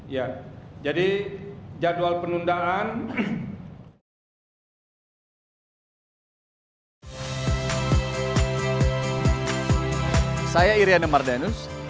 ya jadi jadwal penundaan